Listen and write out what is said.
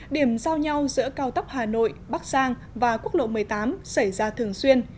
điểm giao nhau giữa cao tốc hà nội bắc giang và quốc lộ một mươi tám xảy ra thường xuyên